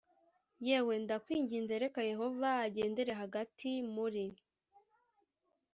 yawe ndakwinginze reka Yehova agendere hagati muri